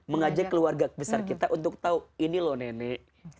mengajak keluarga besar kita untuk tahu ini loh nenek